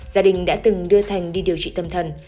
gia đình đã từng đưa thành đi điều trị tâm thần